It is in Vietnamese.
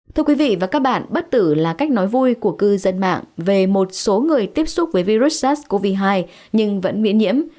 thưa quý vị và các bạn bất tử là cách nói vui của cư dân mạng về một số người tiếp xúc với virus sars cov hai nhưng vẫn miễn nhiễm